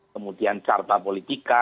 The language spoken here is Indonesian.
kemudian carta politika